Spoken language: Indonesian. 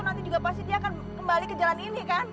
nanti juga pasti dia akan kembali ke jalan ini kan